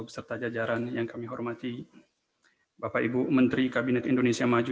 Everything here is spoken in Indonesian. beserta jajaran yang kami hormati bapak ibu menteri kabinet indonesia maju